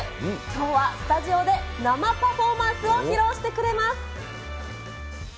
きょうはスタジオで生パフォーマンスを披露してくれます。